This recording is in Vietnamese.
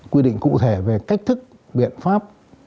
quy định cụ thể về cách thức biện pháp